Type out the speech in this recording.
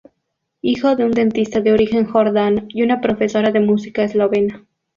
Hijo de un dentista de origen jordano y una profesora de música eslovena.